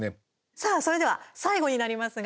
さあ、それでは最後になりますが